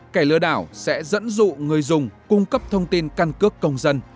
kẻ lừa đảo sẽ dẫn dụ người dùng cung cấp thông tin căn cước công dân